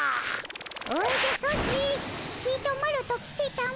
おじゃソチちとマロと来てたも。